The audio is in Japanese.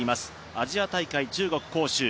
アジア大会中国・杭州。